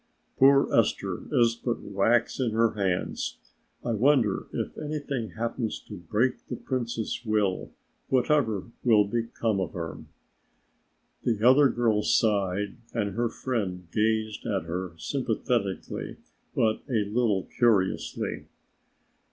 Poor Esther is but wax in her hands. I wonder if anything happens to break the Princess' will whatever will become of her?" The other girl sighed and her friend gazed at her sympathetically but a little curiously.